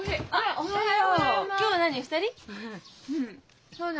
おはよう。